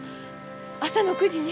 朝の９時に？